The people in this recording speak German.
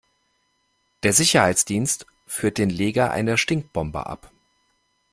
Der Sicherheitsdienst führt den Leger einer Stinkbombe ab.